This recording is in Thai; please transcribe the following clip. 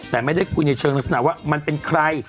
แต่ไม่ได้คุยในเชิงลักษณะว่ามันเป็นใคร